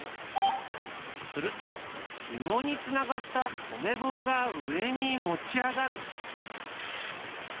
するとひもにつながった止め棒が上に持ち上がる。